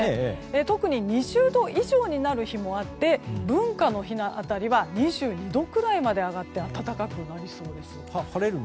特に２０度以上になる日もあって文化の日の辺りは２２度くらいまで上がって暖かくなりそうです。